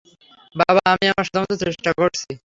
বাবা, আমি আমার সাধ্যমত চেষ্টা করছি।